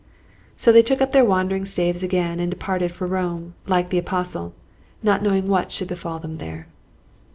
So they took up their wandering staves again, and departed for Rome, like the Apostle, "not knowing what should befall them there."